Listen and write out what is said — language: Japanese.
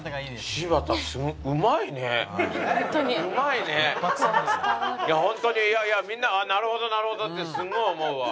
いやホントにみんな「なるほどなるほど」ってすごい思うわ。